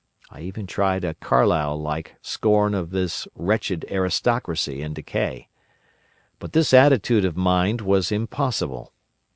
I even tried a Carlyle like scorn of this wretched aristocracy in decay. But this attitude of mind was impossible.